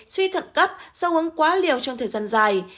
truy thận cấp do uống quá liều trong thời gian dài